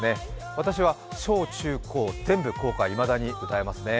私は小・中・高、全部こうか、いまだに歌えますね。